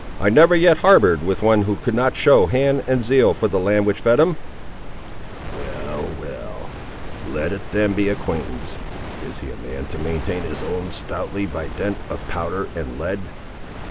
"I never yet harboured with one who could not show hand and zeal for the land which fed him." "Well—well. Let it then be acquaintance. Is he a man to maintain his own, stoutly by dint of powder and lead?"